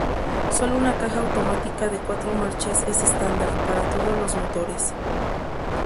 Solo una caja automática de cuatro marchas es standard para todos los motores.